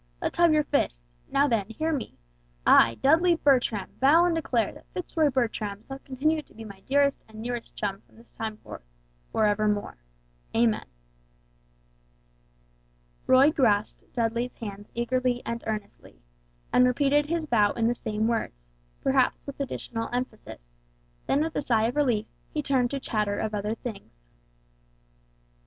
Let us have your fists now then, hear me! I, Dudley Bertram, vow and declare that Fitz Roy Bertram shall continue to be my dearest and nearest chum from this time forth, forevermore. Amen." Roy grasped Dudley's hands eagerly and earnestly, and repeated his vow in the same words, perhaps with additional emphasis; then with a sigh of relief, he turned to chatter of other things.